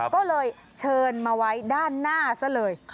ก็เลยเชิญมาไว้ด้านหน้าซะเลย